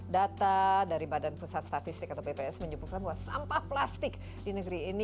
data dari badan pusat statistik atau bps menyebutkan bahwa sampah plastik di negeri ini